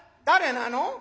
誰なの？